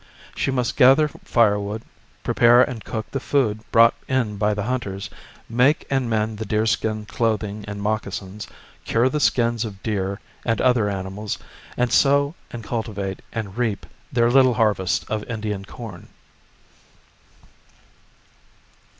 She must gather firewood, prepare and cook the food brought in by the hunters, make and mend the deerskin clothing and moccasins, cure the skins of deer and other animals, and sow and cultivate and reap their little harvest of Indian corn.